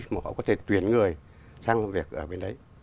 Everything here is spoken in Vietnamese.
mà họ có thể tuyển người sang việc ở bên đấy